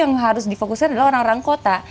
yang harus difokuskan adalah orang orang kota